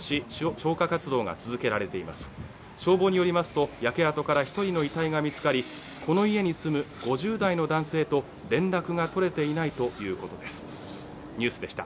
消防によりますと焼け跡から１人の遺体が見つかり、この家に住む５０代の男性と連絡が取れていないということでした。